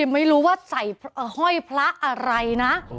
ไม่รู้ว่าใส่ห้อยพระอะไรนะ